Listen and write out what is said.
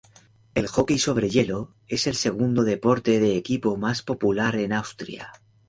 El hockey sobre hielo es el segundo deporte de equipo más popular en Austria.